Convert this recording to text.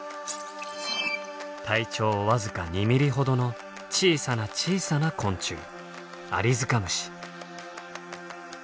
体長僅か２ミリほどの小さな小さな昆虫アリヅカムシ。